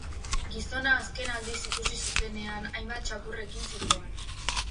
Gizona azken aldiz ikusi zutenean hainbat txakurrekin zihoan.